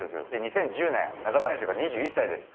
２０１０年、中田選手が２１歳です。